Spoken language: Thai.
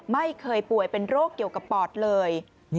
ไม่เคยป่วยเป็นโรคเกี่ยวกับปอดเลย